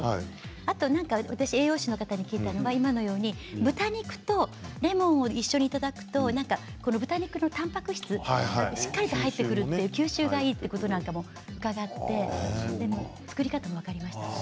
あと栄養士の方に聞いたのは今のように豚肉とレモンを一緒にいただくと豚肉のたんぱく質がしっかりと入ってくる吸収がいいということなんかも伺って作り方も分かりましたね。